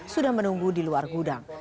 sudah menunggu di luar gudang